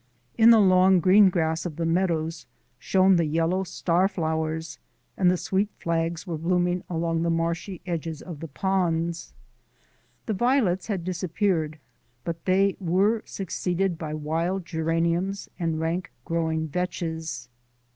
In the long green grass of the meadows shone the yellow star flowers, and the sweet flags were blooming along the marshy edges of the ponds. The violets had disappeared, but they were succeeded by wild geraniums and rank growing vetches.